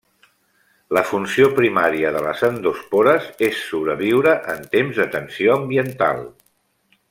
La funció primària de les endòspores és sobreviure en temps de tensió ambiental.